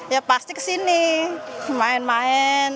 ya pasti kesini main main